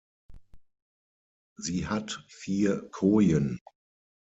Sie hat vier Kojen.